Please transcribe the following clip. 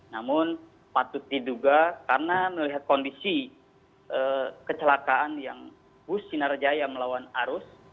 namun patut diduga karena melihat kondisi kecelakaan yang bus sinarjaya melawan arus